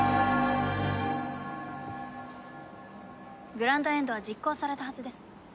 グランドエンドは実行されたはずです。